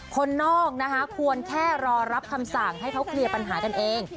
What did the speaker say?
คนนอกนะคะควรแค่รอรับคำสั่งให้เขาเคลียร์ปัญหากันเอง